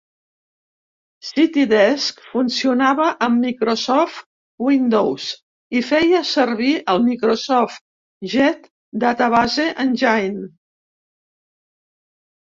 CityDesk funcionava amb Microsoft Windows i feia servir el Microsoft Jet Database Engine.